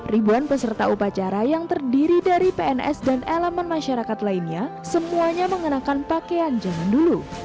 ribuan peserta upacara yang terdiri dari pns dan elemen masyarakat lainnya semuanya mengenakan pakaian zaman dulu